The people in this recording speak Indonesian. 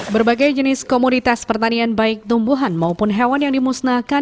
berbagai jenis komoditas pertanian baik tumbuhan maupun hewan yang dimusnahkan